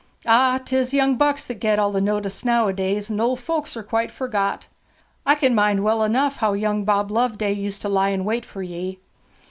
'Ah, 'tis the young bucks that get all the notice nowadays, and old folks are quite forgot! I can mind well enough how young Bob Loveday used to lie in wait for ye.'